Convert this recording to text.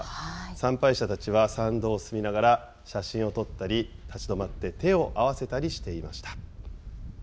参拝者たちは参道を進みながら、写真を撮ったり、立ち止まって手を合わせたりしていました。